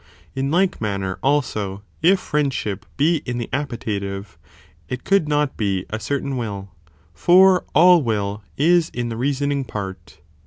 In like manner also, if friendship be in the appetitive, it could not be a certain will, for all will, is in the reasoning part.